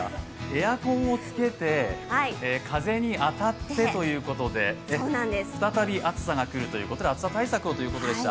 エアコンをつけて風に当たってということで、再び暑さが来るということで暑さ対策をということでした。